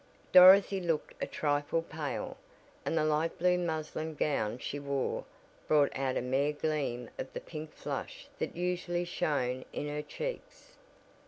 Dorothy looked a trifle pale, and the light blue muslin gown she wore brought out a mere gleam of the pink flush that usually shown in her cheeks.